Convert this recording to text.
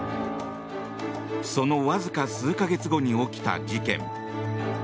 そのわずか数か月後に起きた事件。